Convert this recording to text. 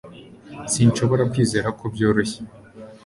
Sinshobora kwizera ko byoroshye